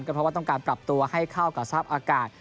เพราะว่าต้องการปรับตัวให้เข้ากับสภาพอากาศ